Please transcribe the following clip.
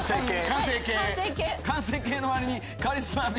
完成形のわりに「カリスマ美容師」って。